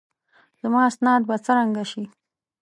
زما اسناد به څرنګه شي؟